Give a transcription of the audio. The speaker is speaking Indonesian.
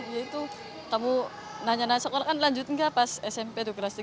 ya itu kamu nanya nanya sekolah kan lanjut gak pas smp kelas tiga